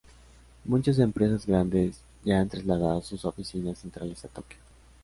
Muchas empresas grandes ya han trasladado sus oficinas centrales a Tokio.